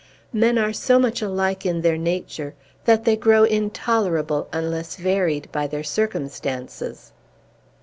Men are so much alike in their nature, that they grow intolerable unless varied by their circumstances.